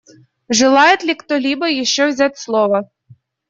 Желает ли кто-либо еще взять слово?